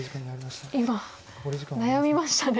今悩みましたね。